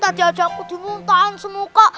tadi aja aku di muntahan semuka